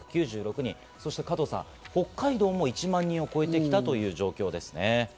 そして加藤さん、北海道も１万人を超えてきたという状況ですね。